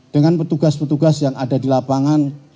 dengan petugas petugas yang ada di lapangan